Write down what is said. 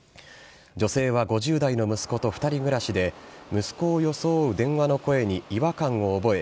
女性は５０代の息子と２人暮らしで息子を装う電話の声に違和感を覚え